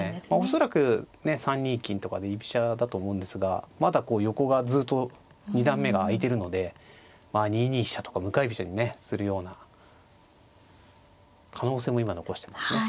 恐らく３二金とかで居飛車だと思うんですがまだこう横がずっと二段目が空いてるので２二飛車とか向かい飛車にねするような可能性も今残してますね。